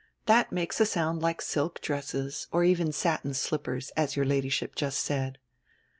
That makes a sound like silk dresses, or even satin slippers, as your Ladyship just said."